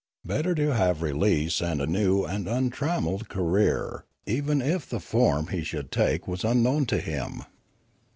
Better to have release and a new and untrammelled career even if the form he should take was unknown to him.